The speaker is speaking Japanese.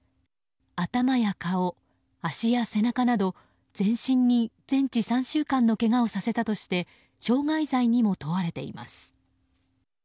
頭や顔、足や背中など全身に全治３週間のけがをさせたとして傷害罪にも問われています。